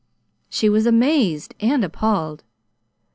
She was amazed and appalled.